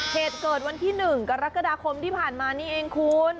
เหตุเกิดวันที่๑กรกฎาคมที่ผ่านมานี่เองคุณ